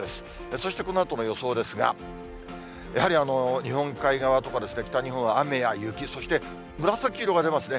そしてこのあとの予想ですが、やはり日本海側とか、北日本は雨や雪、そして紫色が出ますね。